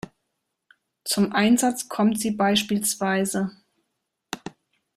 Zum Einsatz kommt sie bspw.